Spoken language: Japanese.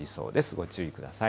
ご注意ください。